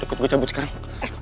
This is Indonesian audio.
ikut gue cabut sekarang